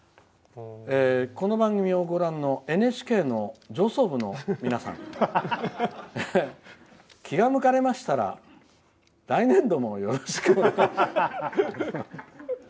この番組をご覧のＮＨＫの上層部の皆さん気が向かれましたら来年度もよろしくお願いします。